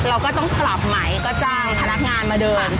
เราก็ต้องกลับใหม่ก็จ้างพนักงานมาเดิน